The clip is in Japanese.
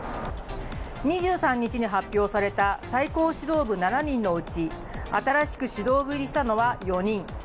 ２３日に発表された最高指導部７人のうち新しく指導部入りしたのは４人。